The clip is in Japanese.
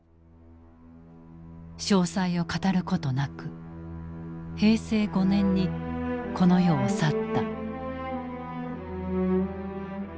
詳細を語ることなく平成５年にこの世を去った。